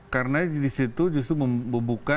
karena disitu justru membuka